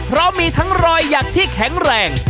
เพราะมีทั้งรอยหยักที่แข็งแรง